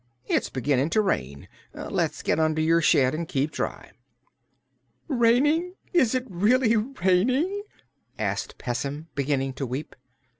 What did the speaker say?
"It's beginning to rain. Let's get under your shed and keep dry." "Raining! Is it really raining?" asked Pessim, beginning to weep.